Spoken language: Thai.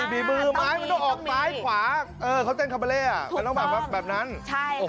มีมือม้ายมันต้องออกม้ายขวาเออเขาเต้นคับเบอร์เล่อะมันต้องแบบนั้นถูกต้อง